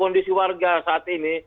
kondisi warga saat ini